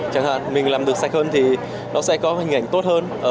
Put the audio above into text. chẳng hạn mình làm được sạch hơn thì nó sẽ có hình ảnh tốt hơn